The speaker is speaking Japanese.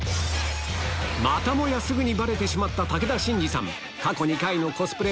またもやすぐにバレてしまった武田真治さん